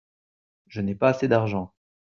Je n'ai pas assez d'argent.